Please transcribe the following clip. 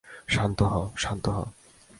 শান্ত হ, শান্ত হ।